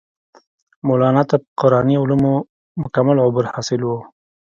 مولانا ته پۀ قرآني علومو مکمل عبور حاصل وو